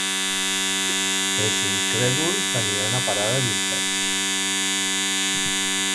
Els incrèduls aniran a parar a l'infern.